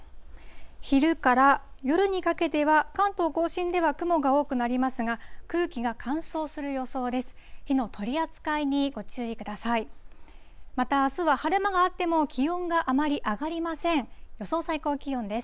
昼から夜にかけては、関東甲信では雲が多くなりますが、空気が乾燥する予想です。